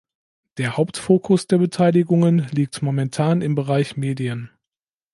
Der Hauptfokus der Beteiligungen liegt momentan im Bereich Medien.